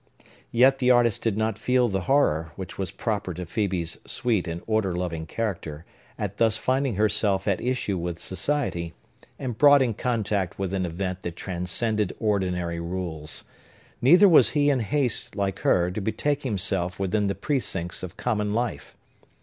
Yet the artist did not feel the horror, which was proper to Phœbe's sweet and order loving character, at thus finding herself at issue with society, and brought in contact with an event that transcended ordinary rules. Neither was he in haste, like her, to betake himself within the precincts of common life.